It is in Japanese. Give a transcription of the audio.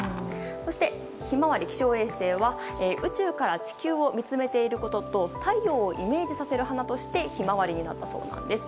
そして、ひまわり気象衛星は宇宙から地球を見つめていることと、太陽をイメージさせる花としてひまわりになったそうなんです。